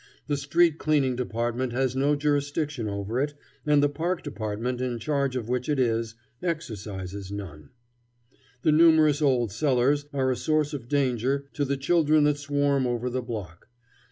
The Street cleaning Department has no jurisdiction over it, and the Park Department, in charge of which it is, exercises none. "The numerous old cellars are a source of danger to the children that swarm over the block.